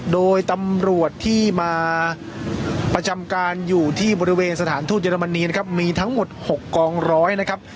โดยตำรวจที่มาประจำการอยู่ที่บริเวณสถานทูตเยอรมนีนะครับมีทั้งหมด๖กองร้อยนะครับ